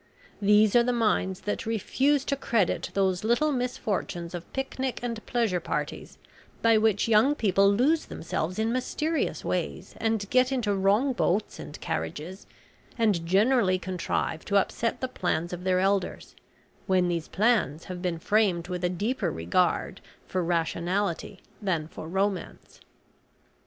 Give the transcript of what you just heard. These are the minds that refuse to credit those little misfortunes of picnic and pleasure parties, by which young people lose themselves in mysterious ways, and get into wrong boats and carriages, and generally contrive to upset the plans of their elders, when these plans have been framed with a deeper regard for rationality than for romance.